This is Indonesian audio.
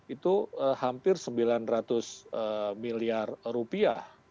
itu hampir sembilan ratus miliar rupiah